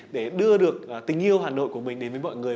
để đưa được tình yêu hà nội của mình đến với mọi người